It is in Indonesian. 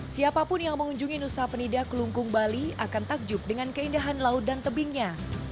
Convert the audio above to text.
siapapun yang mengunjungi nusa penida kelungkung bali akan takjub dengan keindahan laut dan tebingnya